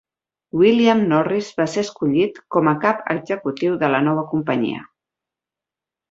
William Norris va ser escollit com a cap executiu de la nova companyia.